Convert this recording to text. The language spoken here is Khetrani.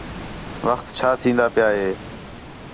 وخت چھا تِھین٘دا پیا ہے